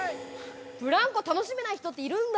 ◆ブランコ楽しめない人っているんだ。